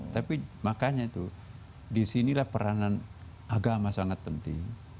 tapi makanya itu disinilah peranan agama sangat penting